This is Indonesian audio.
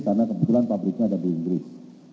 karena kebetulan pabriknya ada di inggris